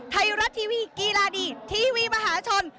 ไทยรัฐทีวีกีฬาดีทีวีมหาชน